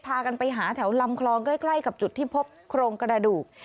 พากันไปหาแถวลำคลองใกล้กับจุดที่พบโครงกระดูก